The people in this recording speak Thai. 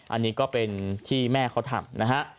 อันนี้ก็เป็นที่แม่เขาทำนะฮะ